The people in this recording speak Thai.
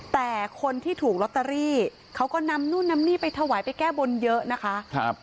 แต่คนที่ถูกลอตเตอรี่เขาก็นำนู่นนำนี่ไปถวายไปแก้บนเยอะนะคะ